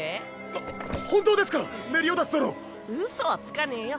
ほ本当ですかメリオダス殿⁉うそはつかねぇよ。